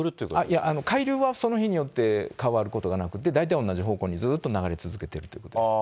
いや、海流は、その日によって変わることはなくて、大体同じ方向にずーっと流れ続けてるということです。